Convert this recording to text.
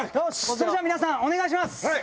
それじゃあ皆さんお願いします。